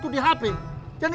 aku mau ke kantor